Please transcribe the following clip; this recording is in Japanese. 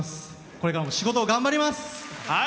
これからも仕事、頑張ります！